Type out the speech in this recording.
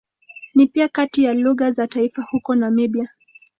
Ni pia kati ya lugha za taifa huko Namibia.